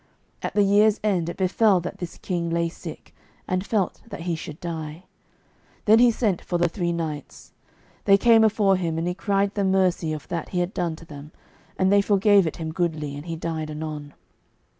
At the year's end it befell that this king lay sick, and felt that he should die. Then he sent for the three knights. They came afore him, and he cried them mercy of that he had done to them, and they forgave it him goodly, and he died anon.